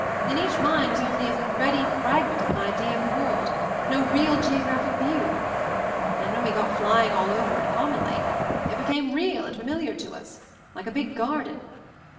In each mind was only a thready fragment of an idea of the world — no real geographic view. And when we got flying all over it commonly, it be came real and familiar to us — like a big gar den.